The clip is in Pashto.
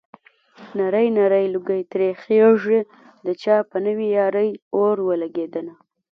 نری نری لوګی ترې خيږي د چا په نوې يارۍ اور ولګېدنه